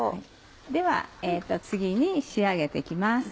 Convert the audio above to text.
では次に仕上げて行きます。